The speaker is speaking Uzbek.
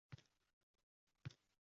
Egniga eski bir to’n kiyib olgan